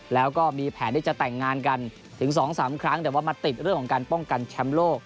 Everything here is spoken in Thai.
แล้วก็มีแผนที่จะแต่งงานกันถึง๒๓ครั้งแต่ว่ามาติดเรื่องของการป้องกันแชมป์โลก